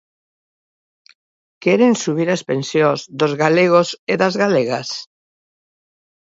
¿Queren subir as pensións dos galegos e das galegas?